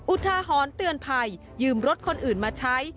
อุทาหรณ์เตือนภัยยืมรถคนอื่นมาใช้